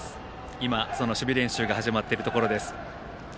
今、守備練習が始まっているところです。